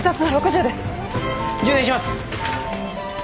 充電します。